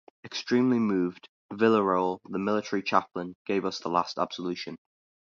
Extremely moved, Villaroel, the Military Chaplain, gave us the last absolution.